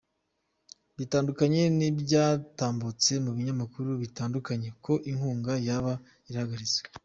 Bitandukanye n’ibyatambutse mu binyamakuru bitandukanye ko inkunga yaba yarahagaritswe.